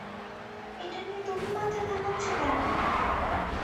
এটা নিয়ে তুমি মাথা ঘামোচ্ছ কেন?